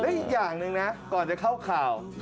อีกอย่างหนึ่งนะก่อนจะเข้าข่าว